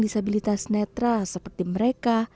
disabilitas netra seperti mereka